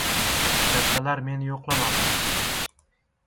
Kattalar meni yo‘qlamabdi.